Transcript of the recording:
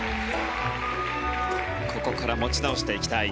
ここから持ち直していきたい。